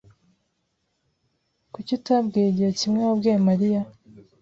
Kuki utabwiye igihe kimwe wabwiye Mariya?